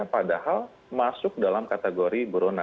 padahal masuk dalam kategori brona